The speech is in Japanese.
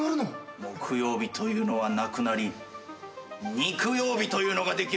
木曜日というのはなくなりにく曜日というのができるぞ。